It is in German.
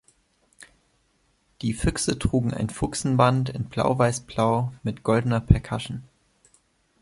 Die Füchse trugen ein Fuchsenband in blau-weiß-blau mit goldener Percussion.